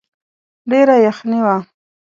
ډېره يخني وه.